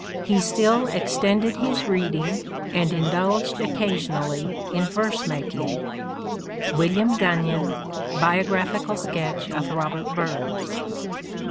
. he still extended his reading and indulged occasionally in verse making." (William Gunnyon : Biographical sketch of Robert Burns.)